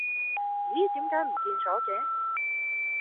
咦點解唔見咗嘅